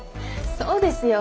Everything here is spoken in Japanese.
そうですよ。